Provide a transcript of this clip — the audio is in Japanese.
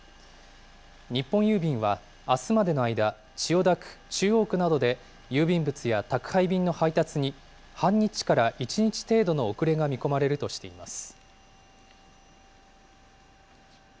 日本郵便は、あすまでの間、千代田区、中央区などで郵便物や宅配便の配達に半日から１日程度の遅れが見込まれるとしています。